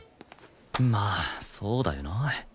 まあそうだよな